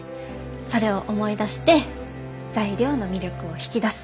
それを思い出して材料の魅力を引き出す。